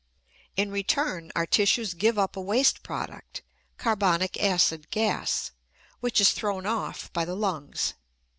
In return our tissues give up a waste product, carbonic acid gas, which is thrown off by the lungs.